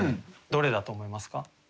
どれだと思いますか？